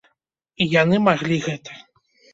І яны маглі гэта!